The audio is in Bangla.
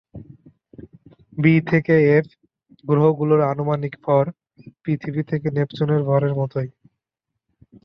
বি থেকে এফ গ্রহগুলোর আনুমানিক ভর পৃথিবী থেকে নেপচুনের ভরের মতই।